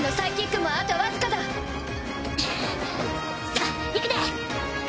さあいくで！